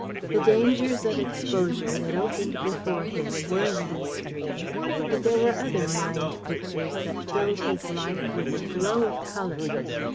The dangers of exposure that opened before him were in these dreams, but there were other mind pictures that filled his life with a glow of colour.